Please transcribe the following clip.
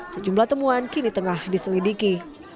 sejumlah temuan kini tengah diselidiki